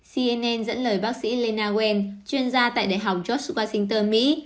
cnn dẫn lời bác sĩ lena wen chuyên gia tại đại học george washington mỹ